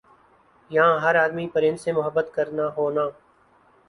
یَہاں ہَر آدمی پرند سے محبت کرنا ہونا ۔